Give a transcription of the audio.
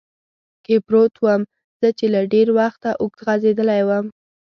کې پروت ووم، زه چې له ډېر وخته اوږد غځېدلی ووم.